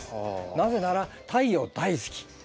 なぜなら太陽大好き。